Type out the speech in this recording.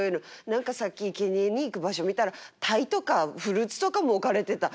何かさっきいけにえに行く場所見たら鯛とかフルーツとかも置かれてた。